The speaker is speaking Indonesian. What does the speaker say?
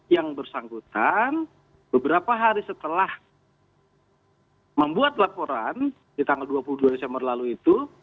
yang bersangkutan beberapa hari setelah membuat laporan di tanggal dua puluh dua desember lalu itu